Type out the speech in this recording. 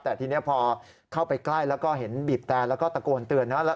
แต่ทีนี้พอเข้าไปใกล้แล้วก็เห็นบีบแต่แล้วก็ตะโกนเตือนนะ